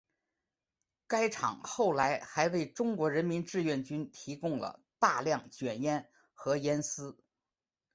该厂后来还为中国人民志愿军提供了大量卷烟和烟丝。